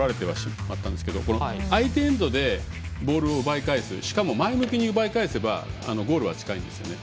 相手エンドでボールを奪い返すしかも前向きに奪い返せばゴールは近いんですよね。